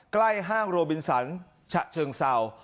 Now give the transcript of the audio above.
ใกล้ห้างโรบินสันชะเชิงเซา